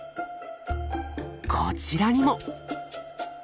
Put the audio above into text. こちらにも！